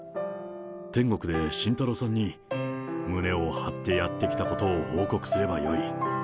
天国で晋太郎さんに胸を張ってやってきたことを報告すればよい。